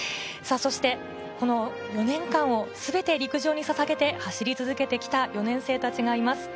４年間を全て陸上にささげて走り続けてきた４年生たちがいます。